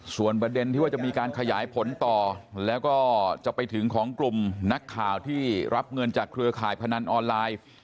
ส่วนประเด็นที่ว่าจะมีการขยายผลต่อแล้วก็จะไปถึงของกลุ่มนักข่าวที่รับเงินจากเครือข่ายพนันออนไลน์